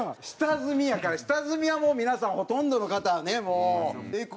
下積みやから下積みはもう皆さんほとんどの方はねもう。